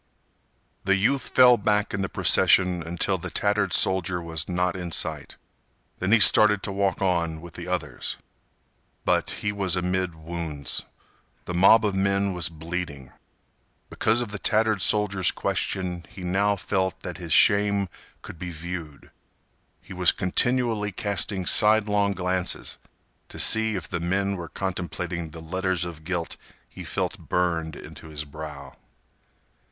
The youth fell back in the procession until the tattered soldier was not in sight. Then he started to walk on with the others. But he was amid wounds. The mob of men was bleeding. Because of the tattered soldier's question he now felt that his shame could be viewed. He was continually casting sidelong glances to see if the men were contemplating the letters of guilt he felt burned into his brow.